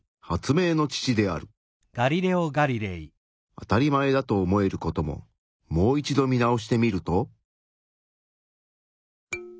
当たり前だと思えることももう一度見直してみると？